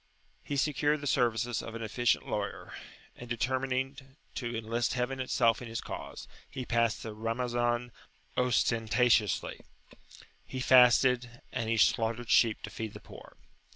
He secured the services of an efficient lawyer; and, determining to enlist heaven itself in his cause, he passed the Ramazan ostentatiously; he fasted, and he slaughtered sheep to feed the poor.